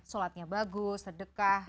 solatnya bagus sedekah